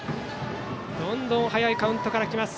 どんどん早いカウントから来ます。